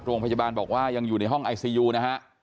โรงพยาบาลบอกว่ายังอยู่ในห้องไอซียูนะฮะ